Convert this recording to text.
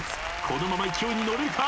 このまま勢いに乗れるか？